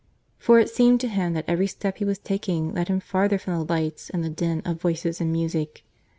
For it seemed to him that every step he was taking led him farther from the lights and the din of voices and music.